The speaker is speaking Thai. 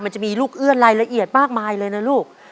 มันจะมีลูกเอื้อนรายละเอียดมากมายเลยนะลูก